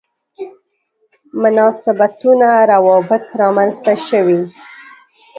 مناسبتونه روابط رامنځته شوي.